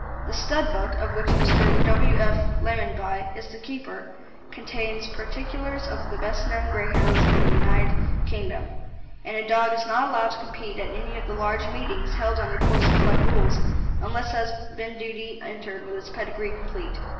The Stud Book, of which Mr. W. F. Lamonby is the keeper, contains particulars of all the best known Greyhounds in the United Kingdom, and a dog is not allowed to compete at any of the large meetings held under Coursing Club rules unless it has been duly entered with its pedigree complete.